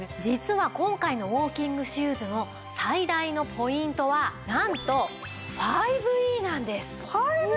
実は今回のウォーキングシューズの最大のポイントはなんと５Ｅなんです。